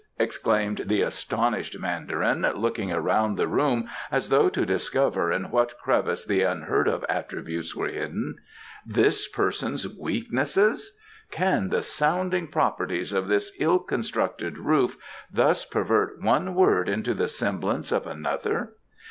exclaimed the astonished Mandarin, looking around the room as though to discover in what crevice the unheard of attributes were hidden. "This person's weaknesses? Can the sounding properties of this ill constructed roof thus pervert one word into the semblance of another?